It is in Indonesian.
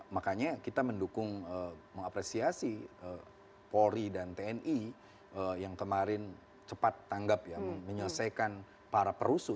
makanya kita mendukung mengapresiasi polri dan tni yang kemarin cepat tanggap ya menyelesaikan para perusuh